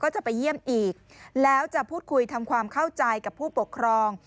จะไปเยี่ยมอีกแล้วจะพูดคุยทำความเข้าใจกับผู้ปกครอง